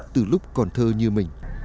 từ lúc còn thơ như mình